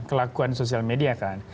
kelakuan sosial media kan